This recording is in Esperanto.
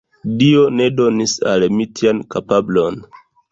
Dio ne donis al mi tian kapablon.